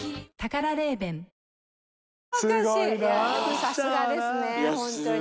さすがですねホントに。